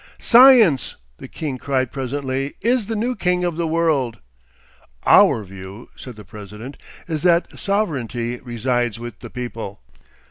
'Science,' the king cried presently, 'is the new king of the world.' 'Our view,' said the president, 'is that sovereignty resides with the people.